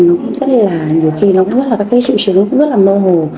nó cũng rất là nhiều khi nó cũng rất là các triệu chứng nó cũng rất là mơ hồ